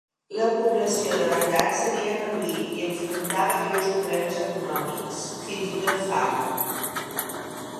La població de Bagdad s'havia reduït i enfrontava greus problemes econòmics, fins i tot fam.